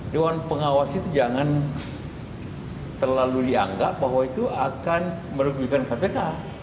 dewan pengawas itu jangan terlalu dianggap bahwa itu akan merugikan kpk